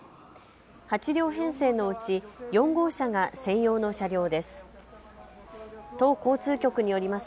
８両編成のうち４号車が専用の車両です。